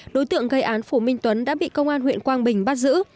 đối tượng gây án phù minh tuấn đã bị công an huyện quang bình bắt giữ